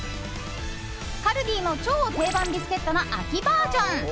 カルディの超定番ビスケットの秋バージョン。